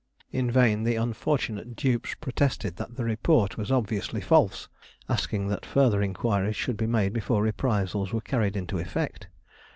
In vain the unfortunate dupes protested that the report was obviously false, asking that further inquiries should be made before reprisals were carried into effect.